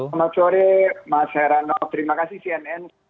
selamat sore mas herano terima kasih cnn